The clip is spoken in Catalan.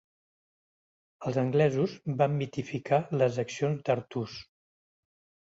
Els anglesos van mitificar les accions d'Artús.